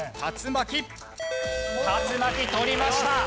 たつまき取りました。